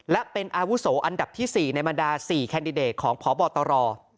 และเป็นอาวุโสอันดับที่๔ในบรรดา๔แคนดิเดตของพบตร